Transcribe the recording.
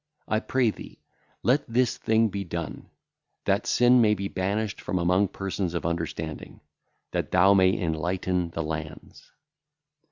I pray thee, let this thing be done, that sin may be banished from among persons of understanding, that thou may enlighten the lands.'